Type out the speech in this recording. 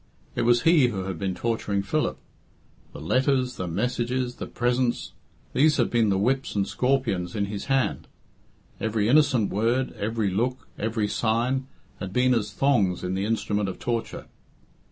It was he who had been torturing Philip. The letters, the messages, the presents, these had been the whips and scorpions in his hand. Every innocent word, every look, every sign, had been as thongs in the instrument of torture.